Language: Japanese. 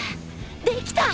できた！